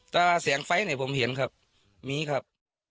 แต่เสียงไฟล์เนี่ยผมเห็นครับมีครับ